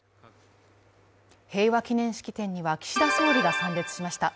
平和記念式典には岸田総理が参列しました。